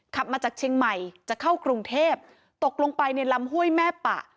ขับมาจากเชียงใหม่จะเข้ากรุงเทพตกลงไปในลำห้วยแม่ปะ